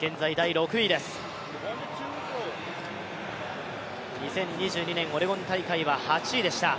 現在第６位です、２０２２年オレゴン大会は８位でした。